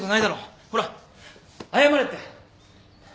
ほら謝れって。